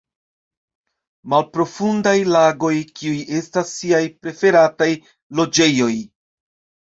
Malprofundaj lagoj kiuj estas siaj preferataj loĝejoj.